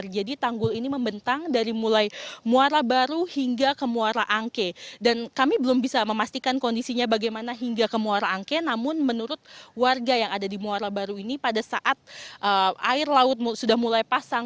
tanggul ini membentang dari mulai muara baru hingga ke muara angke dan kami belum bisa memastikan kondisinya bagaimana hingga ke muara angke namun menurut warga yang ada di muara baru ini pada saat air laut sudah mulai pasang